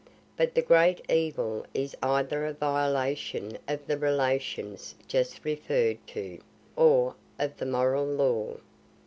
But the great evil is either a violation of the relations just referr'd to, or of the moral law.